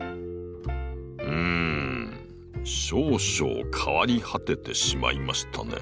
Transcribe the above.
うん少々変わり果ててしまいましたね。